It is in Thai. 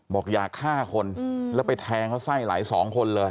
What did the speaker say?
บอกอยากฆ่าคนแล้วไปแทงเขาไส้ไหลสองคนเลย